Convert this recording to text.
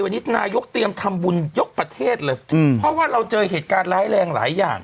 วันนี้นายกเตรียมทำบุญยกประเทศเลยอืมเพราะว่าเราเจอเหตุการณ์ร้ายแรงหลายอย่าง